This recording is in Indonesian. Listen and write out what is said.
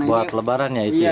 buat lebaran ya itu ya